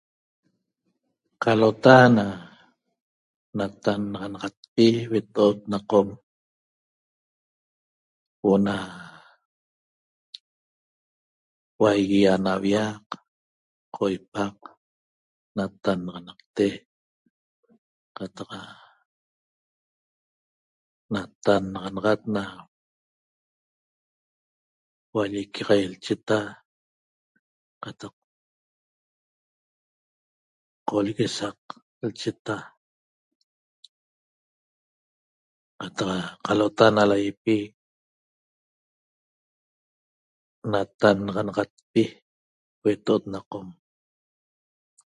Qalota na natannaxanaxatpi hueto'ot na Qom huo'o na huaigui ana aviaq qoipaq natannaxanaqte qataq natannaxanaxat na hualliquiai lcheta qataq qolleguesaq lcheta qataq qalota na la'yipi natannaxanaxatpi hueto'ot na Qom